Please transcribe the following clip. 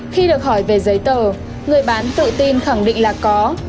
khi được hỏi về giấy tờ người bán tự tin khẳng định là có